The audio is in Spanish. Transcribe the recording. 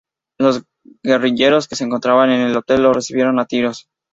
Los guerrilleros que se encontraban en el hotel los recibieron a tiros.